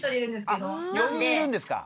あっ４人いるんですか。